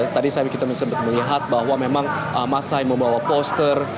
tadi saya kita melihat bahwa memang mas hai membawa poster